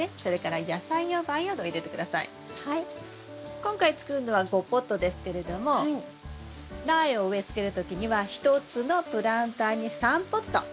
今回作るのは５ポットですけれども苗を植えつける時には１つのプランターに３ポット植えます。